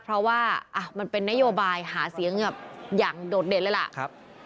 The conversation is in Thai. เพราะว่ามันเป็นนโยบายหาเสียงอย่างโดดเด่นเลยล่ะ